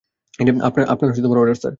আপনার order, sir.